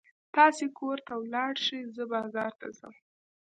تاسې کور ته ولاړ شئ، زه بازار ته ځم.